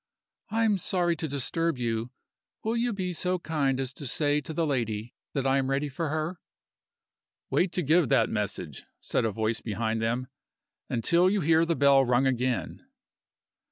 "I am sorry to disturb you. Will you be so kind as to say to the lady that I am ready for her?" "Wait to give that message," said a voice behind them, "until you hear the bell rung again."